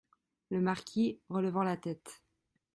Le Marquis, relevant la tête.